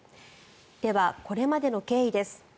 では、これまでの経緯です。